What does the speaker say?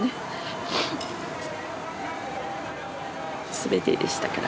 すべてでしたから。